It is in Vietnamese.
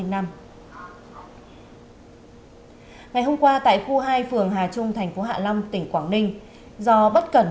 ngày hôm qua tại khu hai phường hà trung thành phố hạ long tỉnh quảng ninh do bất cẩn